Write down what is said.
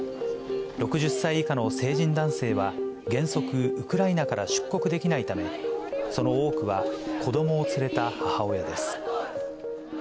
６０歳以下の成人男性は、原則ウクライナから出国できないため、その多くは子どもを連れた母親です。